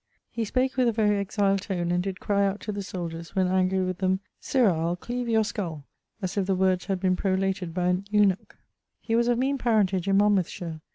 He spake with a very exile tone, and did cry out to the soldiers, when angry with them, 'Sirrah, I'le cleave your skull!' as if the wordes had been prolated by an eunuch. He was of meane parentage in Monmouthshire.